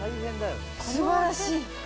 すばらしい。